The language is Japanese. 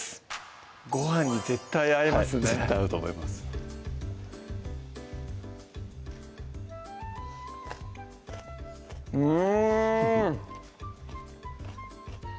ごはんに絶対合いますね絶対合うと思いますうん！